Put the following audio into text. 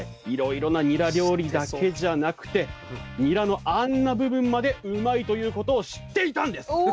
いろいろなニラ料理だけじゃなくてニラのあんな部分までうまいということを知っていたんです！